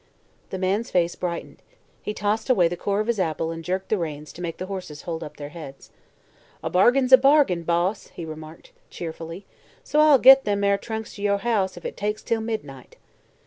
The man's face brightened. He tossed away the core of his apple and jerked the reins to make the horses hold up their heads. "A bargain's a bargain, Boss," he remarked cheerfully, "so I'll get them air trunks to yer house if it takes till midnight."